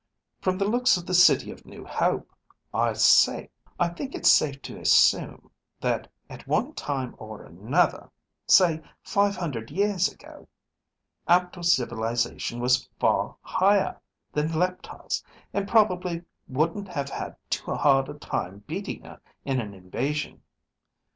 From the looks of the City of New Hope, I think it's safe to assume that at one time or another, say five hundred years ago, Aptor's civilization was far higher than Leptar's, and probably wouldn't have had too hard a time beating her in an invasion.